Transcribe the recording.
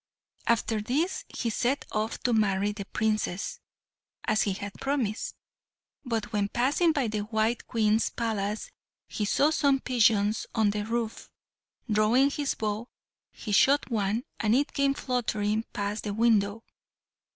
After this he set off to marry the Princess, as he had promised, but when passing by the white Queen's palace he saw some pigeons on the roof. Drawing his bow, he shot one, and it came fluttering past the window.